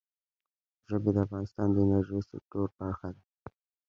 ژبې د افغانستان د انرژۍ سکتور برخه ده.